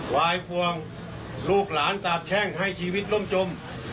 ไหว้ปวงลูกหลานตาบแช่งให้ชีวิตร่มจม